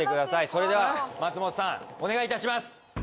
それでは松本さんお願いいたします